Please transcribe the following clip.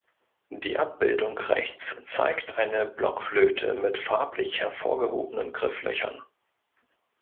Die Abbildung rechts zeigt eine Blockflöte mit farblich hervorgehobenen Grifflöchern.